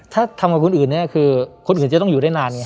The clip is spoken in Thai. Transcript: ถ้าทำกับคนอื่นเนี่ยคือคนอื่นจะต้องอยู่ได้นานไง